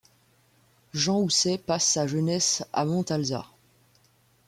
Jean Ousset passe sa jeunesse à Montalzat.